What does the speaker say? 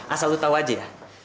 asal lu tahu aja ya